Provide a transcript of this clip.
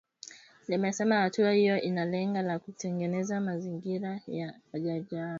Limesema hatua hiyo ina lengo la kutengeneza mazingira ya majadiliano